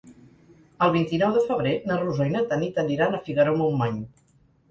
El vint-i-nou de febrer na Rosó i na Tanit aniran a Figaró-Montmany.